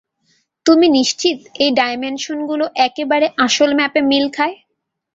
তুমি নিশ্চিত এই ডাইমেনশনগুলো একেবারে আসল ম্যাপে মিল খায়?